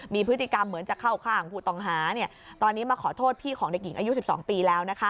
มีพฤติกรรมเหมือนจะเข้าข้างผู้ต้องหาตอนนี้มาขอโทษพี่ของเด็กหญิงอายุ๑๒ปีแล้ว